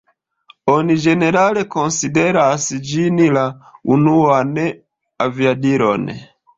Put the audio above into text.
Oni ĝenerale konsideras ĝin la unuan aviadilon.